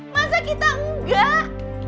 masa kita enggak